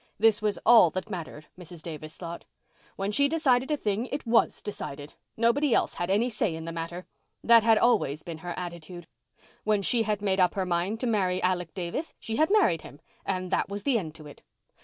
This was all that mattered, Mrs. Davis thought. When she decided a thing it was decided. Nobody else had any say in the matter. That had always been her attitude. When she had made her mind up to marry Alec Davis she had married him and that was the end to it.